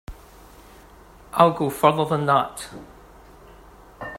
I'll go further than that.